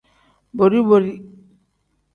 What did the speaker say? Bori-bori.